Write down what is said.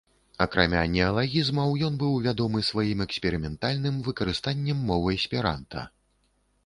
Акрамя неалагізмаў, ён быў вядомы сваім эксперыментальным выкарыстаннем мовы эсперанта.